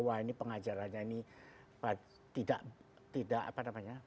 wah ini pengajarannya ini tidak apa namanya